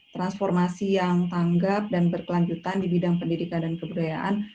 transformasi yang tanggap dan berkelanjutan di bidang pendidikan dan kebudayaan